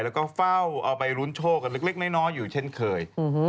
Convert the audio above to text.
แล้วก็เฝ้าเอาไปลุ้นโชคกันเล็กน้อยอยู่เช่นเคย